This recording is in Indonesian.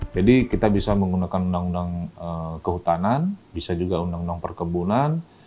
jadi kita bisa menggunakan undang undang kehutanan bisa juga undang undang perkebunan